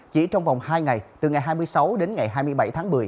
chỉ trong vòng hai ngày từ ngày hai mươi sáu đến ngày hai mươi bảy tháng một mươi